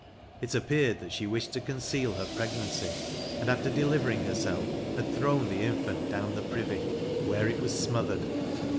It appeared that she wished to conceal her pregnancy; and, after delivering herself, had thrown the infant down the privy, where it was smothered.